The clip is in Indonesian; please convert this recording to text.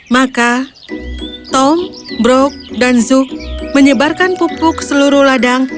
maka tom brook dan zook menyebarkan peluang tanaman yang mereka inginkan